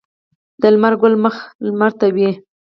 د لمر ګل مخ لمر ته وي